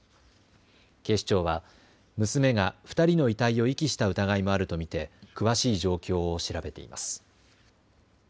警視庁は娘が２人の遺体を遺棄したした疑いもあると見て詳しい状況を調べています。